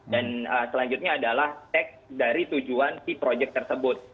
dan selanjutnya adalah cek dari tujuan si proyek tersebut